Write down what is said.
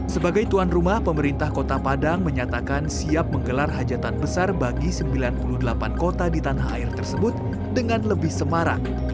sebagai tuan rumah pemerintah kota padang menyatakan siap menggelar hajatan besar bagi sembilan puluh delapan kota di tanah air tersebut dengan lebih semarang